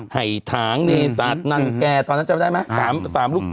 ไห่ทางนี่สัตว์นั่นแก่ตอนนั้นจำได้ไหม๓ลูก